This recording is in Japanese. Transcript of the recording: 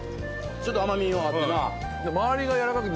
ちょっと甘みもあってな。